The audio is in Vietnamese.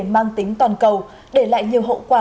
mang tính toàn cầu để lại nhiều hậu quả